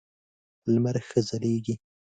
لمر ښه ځلېږي .